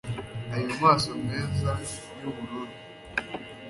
ayo maso meza yubururu